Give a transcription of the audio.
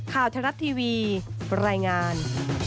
ข่าวทะลับทีวีบรรยายงาน